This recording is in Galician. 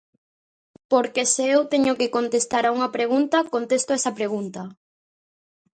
Porque se eu teño que contestar a unha pregunta contesto a esa pregunta.